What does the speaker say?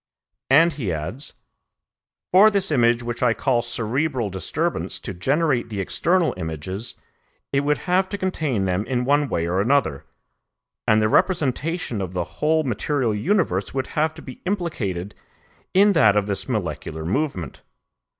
And he adds, "For this image which I call cerebral disturbance to generate the external images, it would have to contain them in one way or another, and the representation of the whole material universe would have to be implicated in that of this molecular movement.